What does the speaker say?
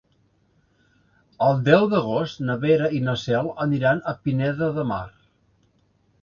El deu d'agost na Vera i na Cel aniran a Pineda de Mar.